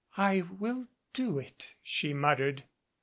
"I will do it," she muttered.